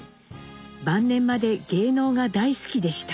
晩年まで芸能が大好きでした。